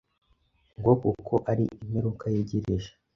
ngo kuko ari imperuka yegereje